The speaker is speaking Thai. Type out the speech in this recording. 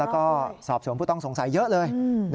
แล้วก็สอบสวนผู้ต้องสงสัยเยอะเลย